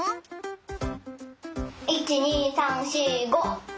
１２３４５。